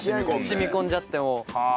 染み込んじゃってもう。